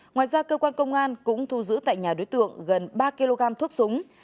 ngoài ra cơ quan công an cũng thu giữ tại nhà đối tượng gần ba kg thuốc súng